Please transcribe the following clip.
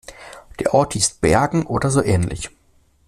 Der Ort hieß Bergen oder so ähnlich.